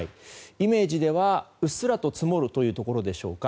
イメージではうっすらと積もるというところでしょうか。